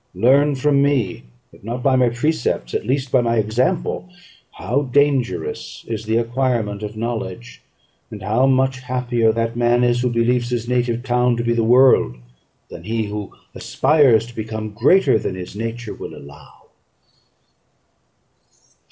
Learn from me, if not by my precepts, at least by my example, how dangerous is the acquirement of knowledge, and how much happier that man is who believes his native town to be the world, than he who aspires to become greater than his nature will allow.